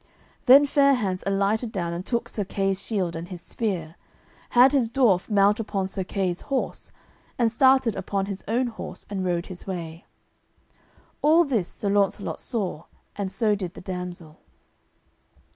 Then Fair hands alighted down and took Sir Kay's shield and his spear, had his dwarf mount upon Sir Kay's horse, and started upon his own horse and rode his way. All this Sir Launcelot saw, and so did the damsel.